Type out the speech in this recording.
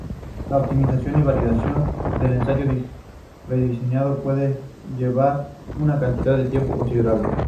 La optimización y validación del ensayo rediseñado puede llevar una cantidad de tiempo considerable.